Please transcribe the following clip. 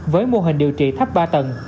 với mô hình điều trị tháp ba tầng